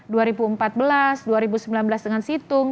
dua ribu empat belas dua ribu sembilan belas dengan situng